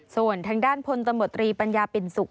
ส่วนทางด้านพลตมตรีปัญญาปินสุข